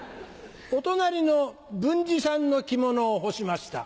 お隣の文治さんの着物を干しました。